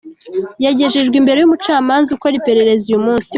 Yagejejejwe imbere y’umucamanza ukora iperereza uyu munsi.